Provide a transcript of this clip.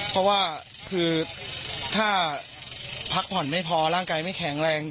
เพราะว่าคือถ้าพักผ่อนไม่พอร่างกายไม่แข็งแรง